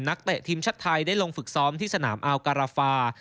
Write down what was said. นักเตะทีมชัดไทยได้ลงฝึกซ้อมที่สนามอาว์การาฟา